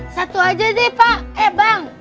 satu aja deh pak eh bang